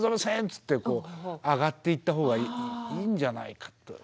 つってこう上がっていった方がいいんじゃないかって思う。